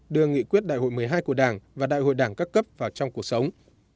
đưa nghị quyết đại hội một mươi hai của đảng và đại hội đảng các cấp vào trong cuộc sống